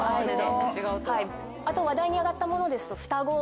あと話題に上がったものですと。